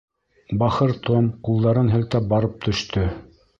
Бахыр Том ҡулдарын һелтәп барып төштө.